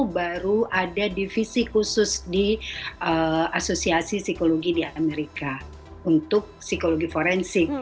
baru ada divisi khusus di asosiasi psikologi di amerika untuk psikologi forensik